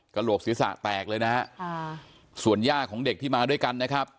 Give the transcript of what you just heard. โหลกศีรษะแตกเลยนะฮะค่ะส่วนย่าของเด็กที่มาด้วยกันนะครับ